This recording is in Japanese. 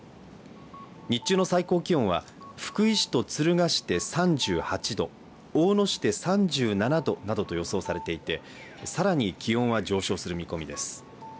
日中の最高気温は福井市と敦賀市で３８度、大野市で３７度などと予想されていてさらに気温は上昇する見込みです。